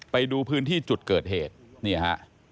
ไปดูพื้นที่จุดเกิดเหตุนี่ฮะ